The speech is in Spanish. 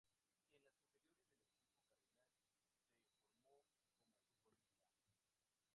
En las inferiores del equipo cardenal, se formó como futbolista.